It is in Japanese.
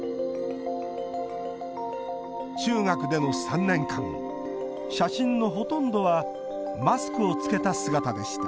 中学での３年間写真のほとんどはマスクをつけた姿でした